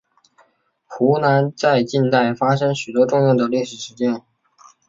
湖南在近代发生许多重要的历史事件。